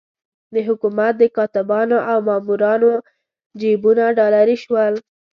د حکومت د کاتبانو او مامورانو جېبونه ډالري شول.